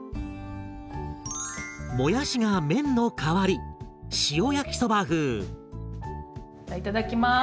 もやしが麺の代わりいただきます！